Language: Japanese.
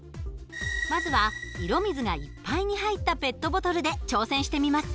まずは色水がいっぱいに入ったペットボトルで挑戦してみます。